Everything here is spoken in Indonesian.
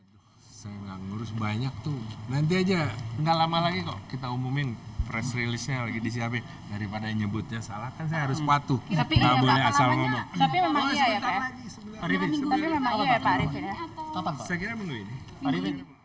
pertanyaan terakhir apakah medco akan menyebutkan nilai ini